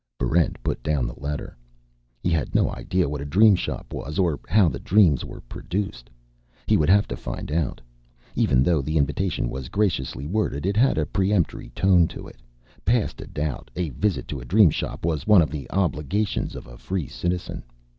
Barrent put down the letter. He had no idea what a Dream Shop was, or how the dreams were produced. He would have to find out. Even though the invitation was graciously worded, it had a peremptory tone to it. Past a doubt, a visit to a Dream Shop was one of the obligations of a Free Citizen.